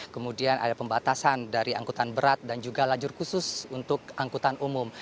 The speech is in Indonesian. kemudian ada pembatasan dari angkutan berat dan juga lajur khusus untuk angkutan umum